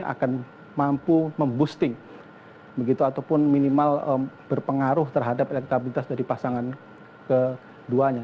akan mampu memboosting begitu ataupun minimal berpengaruh terhadap elektabilitas dari pasangan keduanya